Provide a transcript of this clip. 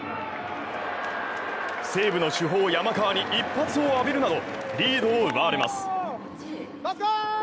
西武の主砲・山川に一発を浴びるなどリードを奪われます。